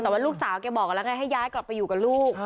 แต่ว่าลูกสาวแกบอกกันแล้วไงให้ย้ายกลับไปอยู่กับลูก